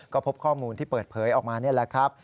ก็พบข้อมูลที่เปิดเผยออกมานี่แหละครับ